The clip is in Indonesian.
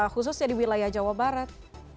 khususnya di wilayah jawa barat